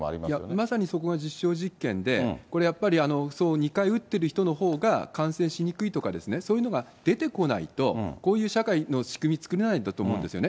まさにそこが実証実験で、これやっぱり２回打ってる人のほうが感染しにくいとか、そういうのが出てこないと、こういう社会の仕組み作れないんだと思うんですよね。